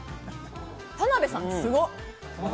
田辺さん、すごっ！